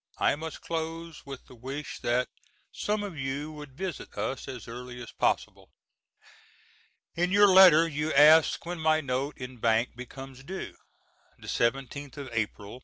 I must close with the wish that some of you would visit us as early as possible. In your letter you ask when my note in bank becomes due. The seventeenth of Apl.